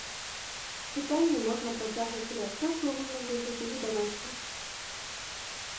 Пытанні можна працягваць, але адказ у агульным выглядзе відавочны.